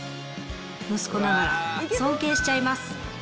息子ながら尊敬しちゃいます。